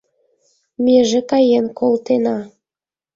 Меже каен колтена.